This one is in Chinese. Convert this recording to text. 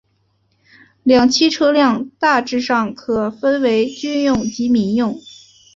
两栖车辆大致上可分为军用及民用。